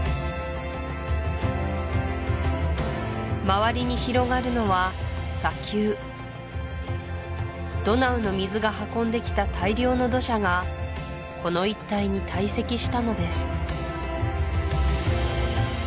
周りに広がるのは砂丘ドナウの水が運んできた大量の土砂がこの一帯に堆積したのです